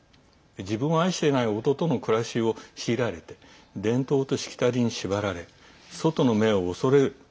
自分を愛していない夫との暮らしを強いられて伝統としきたりに縛られ外の目を恐れる。